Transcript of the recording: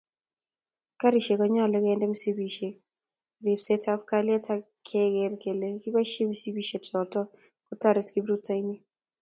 Garisyek konyolu kende msipisyekab ribseetab kalyet ak keger kele kakiboisye, msipisyechotok kotoreti kiprutoinik